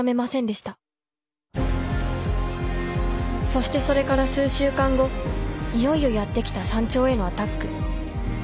そしてそれから数週間後いよいよやって来た山頂へのアタック。